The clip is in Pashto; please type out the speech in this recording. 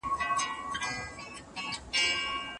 هغه مسوده چي پیلنۍ وي باید سمه سي.